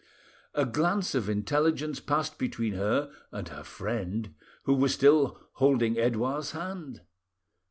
A glance of intelligence passed between her and her friend, who was still holding Edouard's hand.